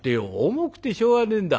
重くてしょうがねえんだ。